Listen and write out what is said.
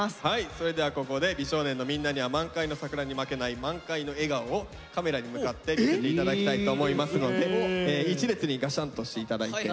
それではここで美少年のみんなには満開の桜に負けない満開の笑顔をカメラに向かって決めて頂きたいと思いますので１列にガシャンとして頂いて。